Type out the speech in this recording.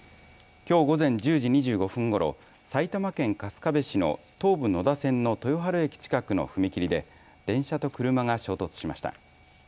きょう午前１０時２５分ごろ埼玉県春日部市の東武野田線の豊春駅近くの踏切で電車と車が衝突しました。